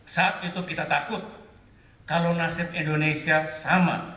saat itu kita takut kalau nasib indonesia sama